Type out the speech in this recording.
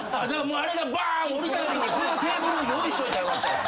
あれがバーン降りたときにこのテーブル用意しといたらよかったんや。